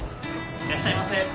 いらっしゃいませ！